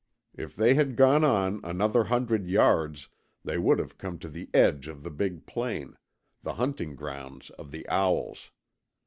If they had gone on another hundred yards they would have come to the edge of the big plain, the hunting grounds of the owls.